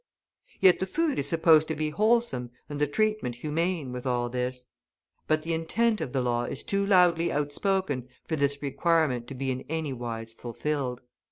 Yet the food is supposed to be wholesome and the treatment humane with all this. But the intent of the law is too loudly outspoken for this requirement to be in any wise fulfilled.